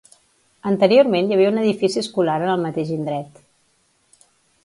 Anteriorment hi havia un edifici escolar en el mateix indret.